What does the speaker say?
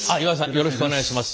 よろしくお願いします。